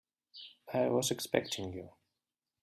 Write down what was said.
I was expecting you.